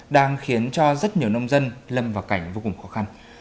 đang khiến cho rất nhiều nông dân lâm vào cảnh vô cùng khó khăn